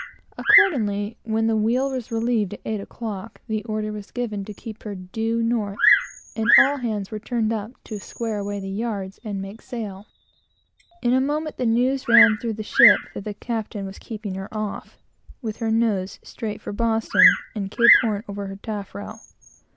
Accordingly, when the wheel was relieved at eight o'clock, the order was given to keep her due north, and all hands were turned up to square away the yards and make sail. In a moment, the news ran through the ship that the captain was keeping her off, with her nose straight for Boston, and Cape Horn over her taffrail.